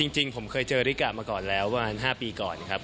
จริงผมเคยเจอริกะมาก่อนแล้วประมาณ๕ปีก่อนครับ